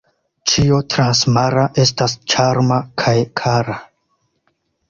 Ĉio transmara estas ĉarma kaj kara.